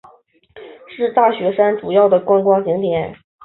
是大雪山主要的观光景点。